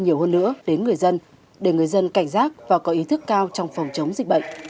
nhiều hơn nữa đến người dân để người dân cảnh giác và có ý thức cao trong phòng chống dịch bệnh